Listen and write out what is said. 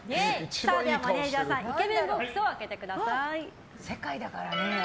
では、マネジャーさんイケメンボックス開けてください。